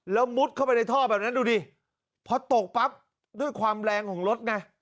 แล้วมุดเข้าไปในท่อแบบนั้นดูดิพอตกปั๊บด้วยความแรงของรถไง